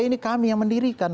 ini kami yang mendirikan